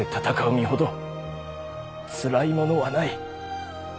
身ほどつらいものはない。